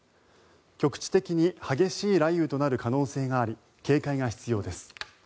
局地的に激しい雷雨となる可能性があり、警戒が必要です。